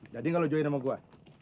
jadi gak lo jualin sama gua